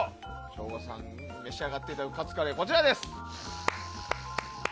省吾に召し上がっていただくカツカレーは、こちらです！